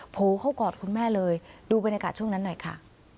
โผล่เข้ากอดคุณแม่เลยดูบรรยากาศช่วงนั้นหน่อยค่ะ